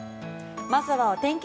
まずはお天気